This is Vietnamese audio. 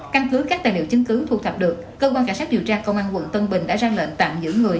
căn cứ các tài liệu chứng cứ thu thập được cơ quan cảnh sát điều tra công an quận tân bình đã ra lệnh tạm giữ người